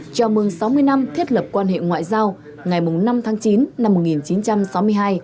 chào mừng sáu mươi năm thiết lập quan hệ ngoại giao ngày năm tháng chín năm một nghìn chín trăm sáu mươi hai